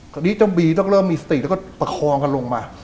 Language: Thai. ตอนนี้เจ้าบีต้องเริ่มมีสติแล้วก็ประคองกันลงมา